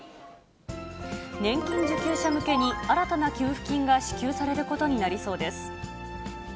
年金受給者向けに新たな給付金が支給されることになりそうです。